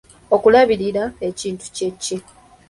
Okulabirira ekintu kye ki?